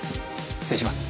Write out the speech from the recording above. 失礼します。